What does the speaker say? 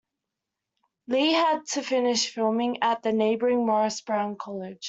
Lee had to finish filming at the neighboring Morris Brown College.